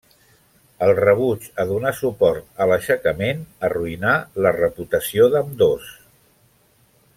El rebuig a donar suport a l'aixecament arruïnà la reputació d'ambdós.